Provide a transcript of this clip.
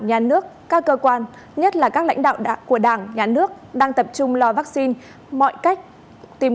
nhà nước các cơ quan nhất là các lãnh đạo của đảng nhà nước đang tập trung lo vaccine mọi cách tìm